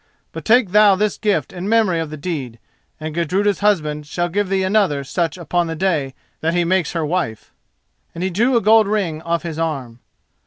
But take thou this gift in memory of the deed, and Gudruda's husband shall give thee another such upon the day that he makes her wife," and he drew a gold ring off his arm.